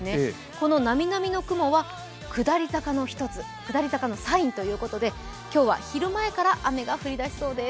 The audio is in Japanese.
この波々の雲は下り坂の一つ、下り坂のサインということで今日は昼前から雨が降り出しそうです。